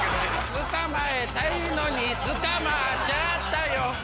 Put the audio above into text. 捕まえたいのに捕まっちゃったよ